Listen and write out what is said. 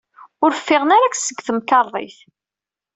Ur ffiɣen ara seg temkarḍit.